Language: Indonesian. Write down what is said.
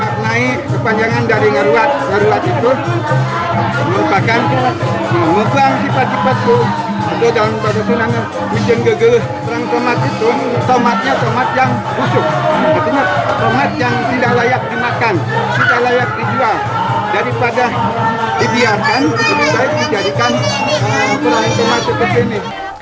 kepada dibiarkan lebih baik dijadikan perang tomat seperti ini